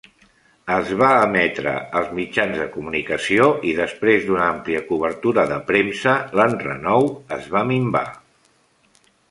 Es va emetre als mitjans de comunicació, i després d'una àmplia cobertura de premsa, l'enrenou es va minvar.